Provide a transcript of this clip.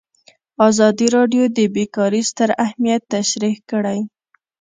ازادي راډیو د بیکاري ستر اهميت تشریح کړی.